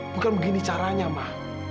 bukan begini caranya mak